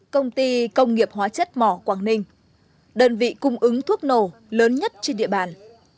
công ty công nghiệp hóa chất mỏ quảng ninh đơn vị cung ứng thuốc nổ lớn nhất trên địa bàn